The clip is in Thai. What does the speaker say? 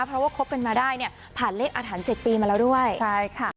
เพราะว่าคบกันมาได้ผ่านเลขอฐาน๗ปีมาแล้วด้วย